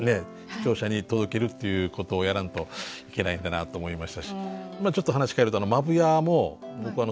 視聴者に届けるっていうことをやらんといけないんだなと思いましたしちょっと話変えると「マブヤー」も僕すごいなと思ったの。